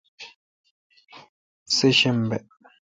سہ شنبہ